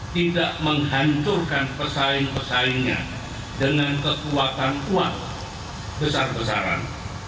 tidak menghancurkan pesaing pesaingnya dengan kekuatan kuat besar besaran